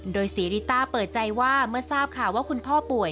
โดยศรีริต้าเปิดใจว่าเมื่อทราบข่าวว่าคุณพ่อป่วย